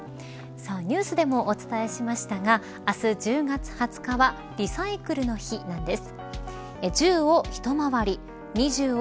ニュースでもお伝えしましたが明日１０月２０日はリサイクルの日なんです。